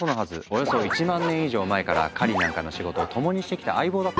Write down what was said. およそ１万年以上前から狩りなんかの仕事を共にしてきた相棒だったからね。